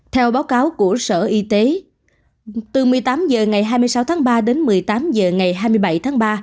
theo báo cáo của sở y tế từ một mươi tám h ngày hai mươi sáu tháng ba đến một mươi tám h ngày hai mươi bảy tháng ba